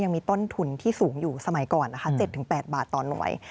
ยังมีต้นทุนที่สูงอยู่สมัยก่อนนะคะ๗๘บาทต่อหน่วย